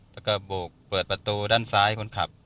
แล้วก็โบกเปิดประตูด้านซ้ายคนขับ